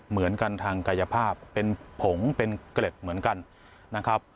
เหมือนกันทางกายภาพเป็นผงเป็นเกร็ดเหมือนกันนะครับ